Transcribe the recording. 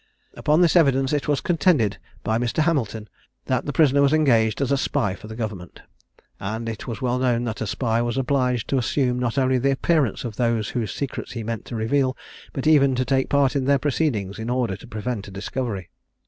Upon this evidence it was contended by Mr. Hamilton, that the prisoner was engaged as a spy for government; and it was well known that a spy was obliged to assume not only the appearance of those whose secrets he meant to reveal, but even to take part in their proceedings in order to prevent a discovery.